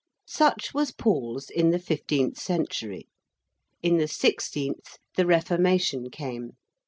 Such was Paul's in the fifteenth century. In the sixteenth the Reformation came.